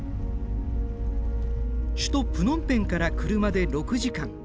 首都プノンペンから車で６時間。